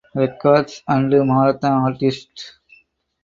Records and Marathon Artists.